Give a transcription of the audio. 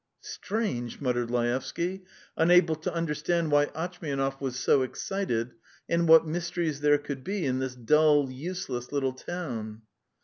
"Strange ..." muttered Laevsky, unable to understand why Atchmianov was so excited and what mysteries there could be in this dull, useless little town.